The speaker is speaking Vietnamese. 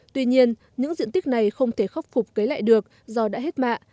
tuy nhiên những diện tích này không thể khắc phục cấy lại được do đã hết mạ